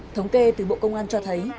thống kê từ bộ công an cho thấy